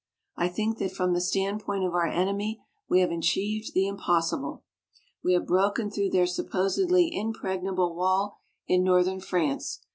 I think that from the standpoint of our enemy we have achieved the impossible. We have broken through their supposedly impregnable wall in northern France.